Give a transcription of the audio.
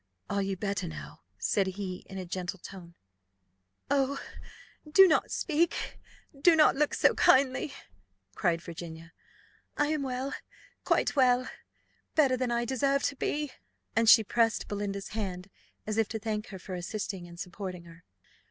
"Are you better now?" said he, in a gentle tone. "Oh, do not speak do not look so kindly!" cried Virginia. "I am well quite well better than I deserve to be;" and she pressed Belinda's hand, as if to thank her for assisting and supporting her.